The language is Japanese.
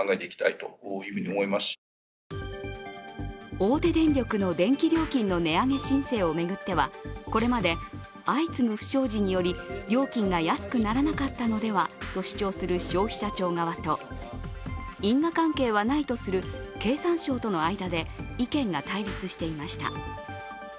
大手電力の電気料金の値上げ申請を巡ってはこれまで相次ぐ不祥事により料金が安くならなかったのではと主張する消費者庁側と因果関係はないとする経産省との間で意見が対立していました。